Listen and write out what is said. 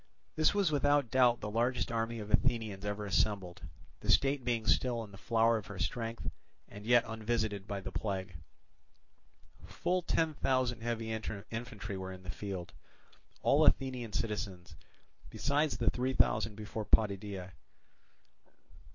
This was without doubt the largest army of Athenians ever assembled, the state being still in the flower of her strength and yet unvisited by the plague. Full ten thousand heavy infantry were in the field, all Athenian citizens, besides the three thousand before Potidæa.